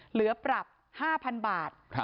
เหลือปรับห้าพันบาท